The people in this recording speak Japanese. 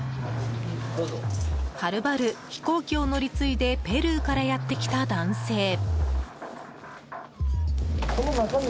はるばる飛行機を乗り継いでペルーからやってきた男性。